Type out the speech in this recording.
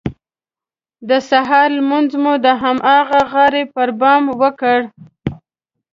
د سهار لمونځ مو د هماغه غار پر بام وکړ.